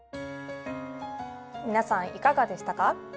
皆さんいかがでしたか？